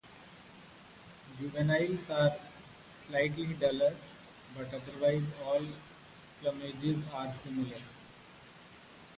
Juveniles are slightly duller, but otherwise all plumages are similar.